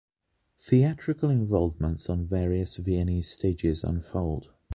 Theatrical involvements on various Viennese stages followed.